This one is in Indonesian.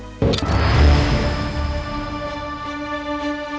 kamu ingin menyampaikan sesuatu tentang jakartaru